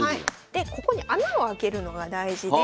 でここに穴を開けるのが大事で。